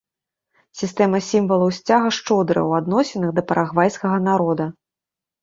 Сістэма сімвалаў сцяга шчодрая ў адносінах да парагвайскага народа.